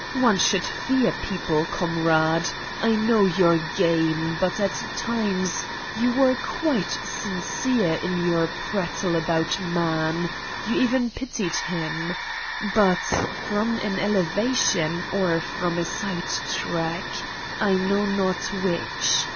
One should fear people, comrade! I know your game, but at times you were quite sincere in your prattle about man, you even pitied him, but from an elevation or from a sidetrack I know not which.